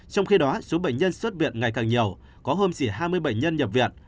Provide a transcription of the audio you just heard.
trong khi đó số bệnh nhân xuất viện ngày càng nhiều có hơn gì hai mươi bệnh nhân nhập viện